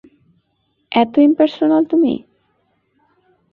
এত ইম্পার্সোন্যাল তুমি!